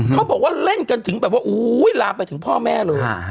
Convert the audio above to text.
เขาบอกว่าเล่นกันถึงแบบว่าลามไปถึงพ่อแม่เลย